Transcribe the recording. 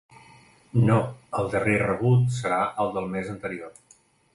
No, el darrer rebut serà el del mes anterior.